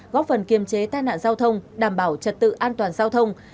góp phần kiềm chế tai nạn giao thông đảm bảo trật tự an toàn giao thông